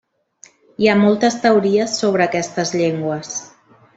Hi ha moltes teories sobre aquestes llengües.